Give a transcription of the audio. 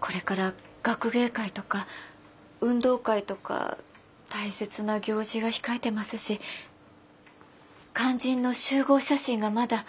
これから学芸会とか運動会とか大切な行事が控えてますし肝心の集合写真がまだ。